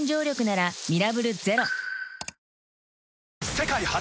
世界初！